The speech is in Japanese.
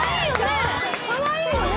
かわいいよね？